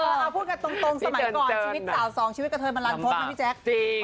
ถ้าเราพูดสมัยก่อนชีวิตสาวสองชีวิตกับเธอมันรัดทศนะพี่แจ๊ก